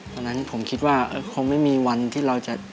ตอนนั้นผมคิดว่าคงไม่มีวันที่เราจะ